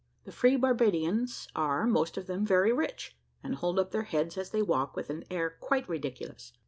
The free Barbadians are, most of them, very rich, and hold up their heads as they walk with an air quite ridiculous.